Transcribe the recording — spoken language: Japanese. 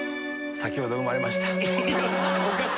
「先ほど生まれました」